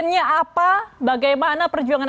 masalah que obstis atau masalah keuangan